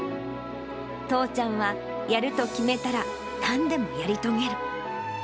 父ちゃんは、やると決めたらなんでもやり遂げる。